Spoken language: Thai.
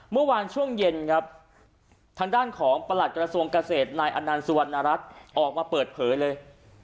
เมื่อวานช่วงเย็นครับทางด้านของประหลัดกระทรวงเกษตรนายอนันต์สุวรรณรัฐออกมาเปิดเผยเลย